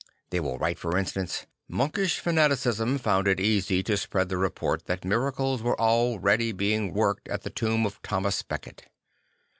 They will write for instance: "Monkish fanaticism found it easy to spread the report that miracles were already being worked at the tomb of Thomas Becket."